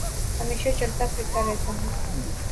ہمیشہ چلتا پھرتا رہتا ہوں